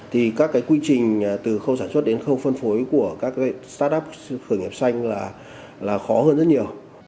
thì các quy trình từ khâu sản xuất đến khâu phân phối của các startup khởi nghiệp xanh là khó hơn rất nhiều